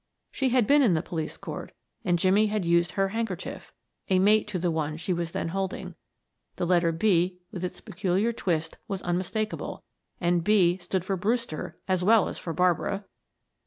She had been in the police court, and Jimmie had used her handkerchief a mate to the one she was then holding, the letter "B" with its peculiar twist was unmistakable and "B" stood for Brewster as well as for Barbara!